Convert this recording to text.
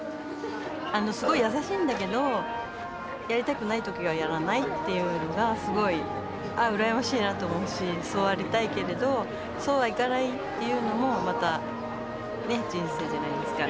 すごい優しいんだけどやりたくない時はやらないっていうのがすごい「ああ羨ましいな」と思うしそうありたいけれどそうはいかないっていうのもまたね人生じゃないですか。